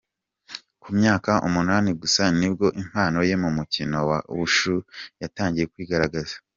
Ku myaka umunani gusa ni bwo impano ye mu mukino wa Wushu yatangiye kwigaragaza.